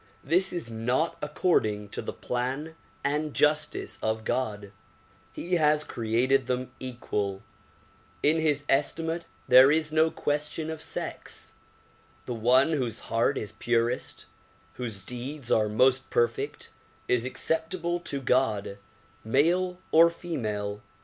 This is not according to the plan and justice of God. He has created them equal ; in his esti 170 THE PROMULGATION OP UNIVERSAL PEACE mate there is no question of sex. The one whose heart is purest, whose deeds are most perfect is acceptable to God, male or female.